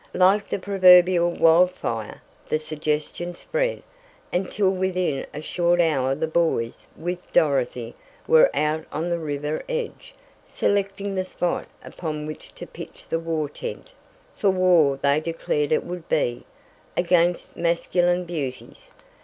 Like the proverbial wildfire, the suggestion spread, until within a short hour the boys, with Dorothy, were out on the river edge, selecting the spot upon which to pitch the "War Tent" for war they declared it would be, "against masculine beauties."